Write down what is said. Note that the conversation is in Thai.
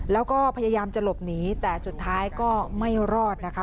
แล้วก็พยายามจะหลบหนีแต่สุดท้ายก็ไม่รอดนะคะ